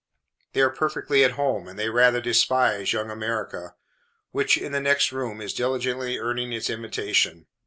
They are perfectly at home, and they rather despise Young America, which, in the next room, is diligently earning its invitation.